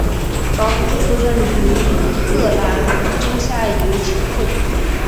高古出身于荷兰中下游球会。